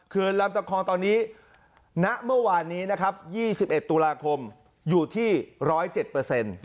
ลำตะคองตอนนี้ณเมื่อวานนี้นะครับ๒๑ตุลาคมอยู่ที่๑๐๗เปอร์เซ็นต์